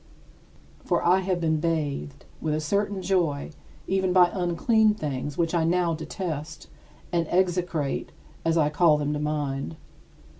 For I have been bathed with a certain joy even by unclean things, which I now detest and execrate as I call them to mind.